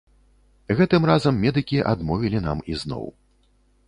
Гэтым разам медыкі адмовілі нам ізноў.